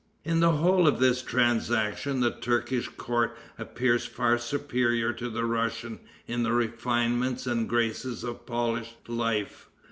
In the whole of this transaction the Turkish court appears far superior to the Russian in the refinements and graces of polished life.